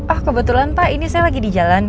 ah kebetulan pak ini saya lagi di jalan